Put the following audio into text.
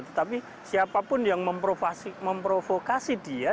tetapi siapapun yang memprovokasi dia